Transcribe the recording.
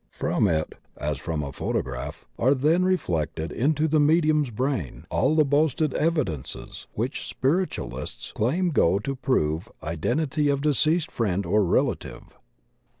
From it (as from a photograph) are then reflected into the medium's brain all the boasted evidences which spiritualists claim go to prove identity of deceased friend or rela tive.